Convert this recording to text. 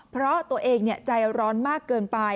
เพราะตัวเองใจร้อนมากเกินไป